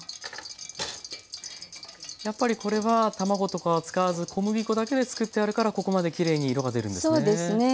やっぱりこれは卵とかは使わず小麦粉だけで作ってあるからここまできれいに色が出るんですね。